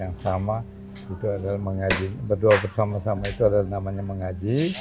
yang sama itu adalah mengaji berdoa bersama sama itu adalah namanya mengaji